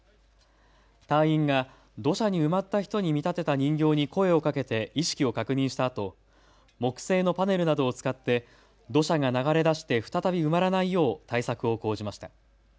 隊員が土砂に埋まった人に見立てた人形に声をかけて意識を確認したあと木製のパネルなどを使って土砂が流れ出して再び埋まらないよう対策を講じました。